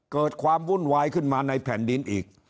เกิดความวุ่นวายขึ้นมาในแผ่นดินอีก